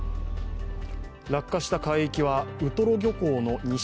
落下した海域はウトロ漁港の西